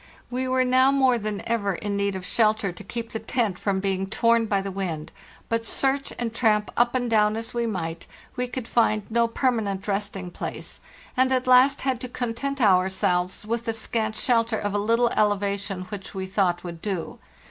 We were now more than ever in need of shel ter to keep the tent from being torn by the wind, but, search and tramp up and down as we might, we could find no permanent resting place, and at last had to content ourselves with the scant shelter of a little elevation which we thought would do.